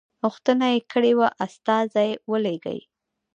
غوښتنه یې کړې وه استازی ولېږي.